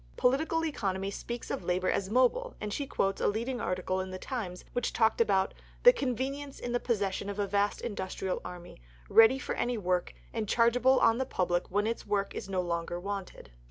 Political economy speaks of labour as mobile, and she quotes a leading article in the Times which had talked about "the convenience in the possession of a vast industrial army, ready for any work, and chargeable on the public when its work is no longer wanted."